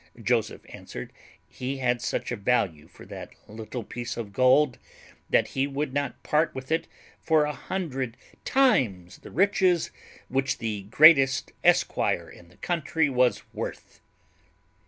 Joseph answered he had such a value for that little piece of gold, that he would not part with it for a hundred times the riches which the greatest esquire in the county was worth.